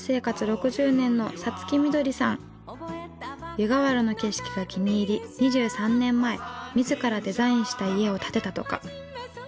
湯河原の景色が気に入り２３年前自らデザインした家を建てたとか。